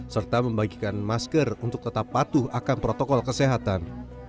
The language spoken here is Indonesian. serta membagikan masker untuk tetap patuh akan protokol kesehatan